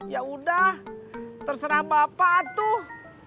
ya udah terserah bapak tuh